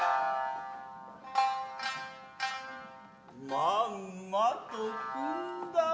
まんまと汲んだわ。